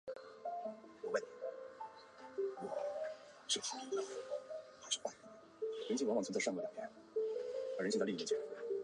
汉代属益州蜀郡成都县。